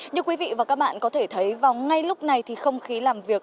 như quý vị và các bạn có thể thấy vào ngay lúc này thì không khí làm việc